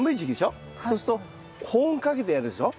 そうすると保温かけてやるでしょ？